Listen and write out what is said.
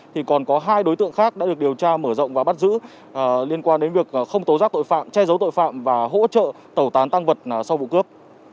thì còn có hai đối tượng khác đã được điều tra mở rộng và bắt giữ liên quan đến việc không tố giác tội phạm che giấu tội phạm và hỗ trợ tẩu tán tăng vật sau vụ cướp